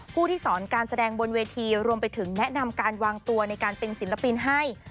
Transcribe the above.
ผู้ที่สอนการแสดงบนเวทีรวมไปถึงแนะนำการวางตัวในการเป็นศิลปินให้